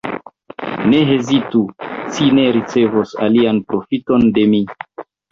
Ne hezitu, ci ne ricevos alian profiton de mi!